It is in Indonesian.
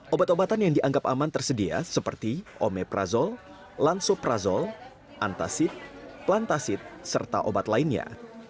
obat obatan yang dianggap aman tersedia seperti omeprazole lansoprazole antasid plantasid serta obat lainnya